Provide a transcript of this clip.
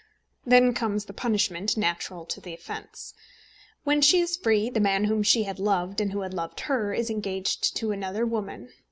Then comes the punishment natural to the offence. When she is free, the man whom she had loved, and who had loved her, is engaged to another woman.